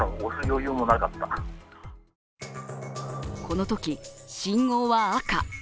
このとき信号は赤。